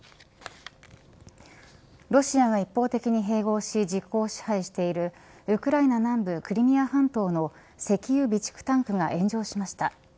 ロシアが一方的に併合し実効支配しているウクライナ南部、クリミア半島の石油備蓄タンクが炎上しました。